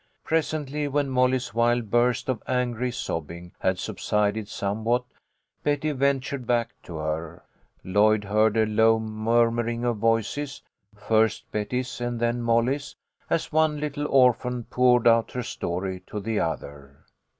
Presently, when Molly's wild burst of angry sob bing had subsided somewhat, Betty ventured back to her. Lloyd heard a low murmuring of voices, first Betty's and then Molly's, as one little orphan poured out her story to the other.